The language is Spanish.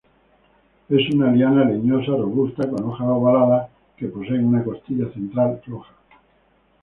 Es una liana leñosa, robusta, con hojas ovaladas, que poseen una costilla central roja.